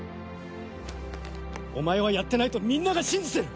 お前はやってないとみんなが信じてる！